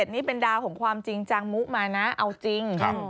นี่เป็นดาวของความจริงจังมุมานะเอาจริง